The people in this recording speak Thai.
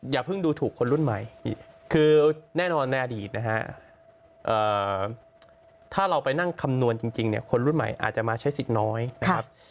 อย่าเพิ่งดูถูกคนรุ่นใหม่คือแน่นอนในอดีตนะฮะถ้าเราไปนั่งคำนวณจริงเนี่ยคนรุ่นใหม่อาจจะมาใช้สิทธิ์น้อยนะครับ